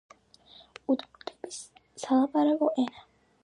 უდმურტების სალაპარაკო ენა.